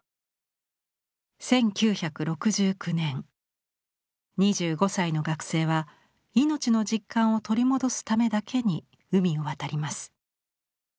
１９６９年２５歳の学生は命の実感を取り戻すためだけに海を渡ります。